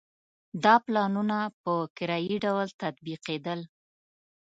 دا پلانونه په کرایي ډول تطبیقېدل.